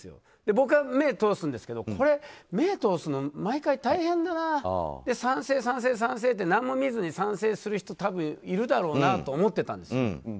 僕は目を通すんですけどこれ、目を通すの毎回大変で賛成、賛成、賛成って何も見ずに賛成する人、多分いるだろうなと思ってたんです。